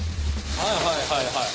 はいはいはいはい。